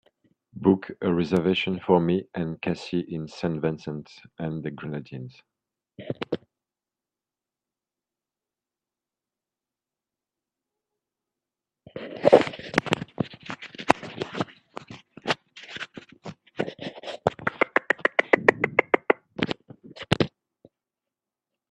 Book a reservation for me and cassie in Saint Vincent and the Grenadines